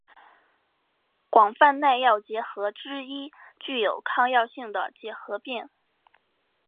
广泛耐药结核之一具有抗药性的结核病。